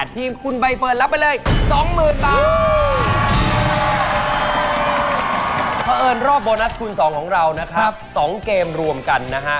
ทีมของพี่เจี๊ยบเชิญยิ้นทำไปได้๕ข้อนะฮะ